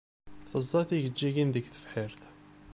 Teẓẓa tijejjigin deg tebḥirt.